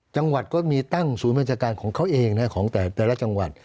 จังหวัดก็มีตั้งศูนย์บัญชาการของเขาเองนะของแต่ละจังหวัด